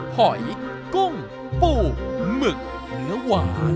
หอยกุ้งปูหมึกเนื้อหวาน